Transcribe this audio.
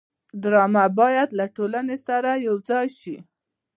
ډرامه باید له ټولنې سره یوځای شي